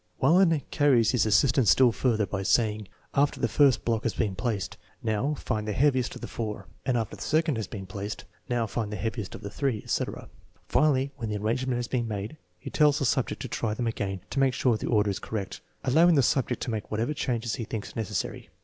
Wallin carries his assistance still further by saying, after the first block has been placed, " Now, find the heaviest of the four," and after the second has been placed, " Now, find the heaviest of the three," etc. Finally, when the ar rangement has been made, he tells the subject to try them again to make sure the order is correct, allowing the sub ject to make whatever changes he thinks necessary.